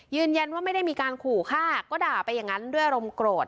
ยืนยันว่าไม่ได้มีการขู่ฆ่าก็ด่าไปอย่างนั้นด้วยอารมณ์โกรธ